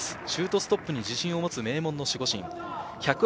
シュートストップに自信を持つ守護神。